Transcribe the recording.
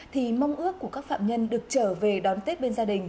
thì mong ước của các phạm nhân được trở về đón tết bên gia đình